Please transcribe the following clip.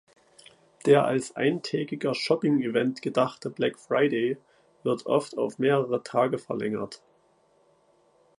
Der als eintägiger "Shopping Event" gedachte Black Friday wird oft auf mehrere Tage verlängert.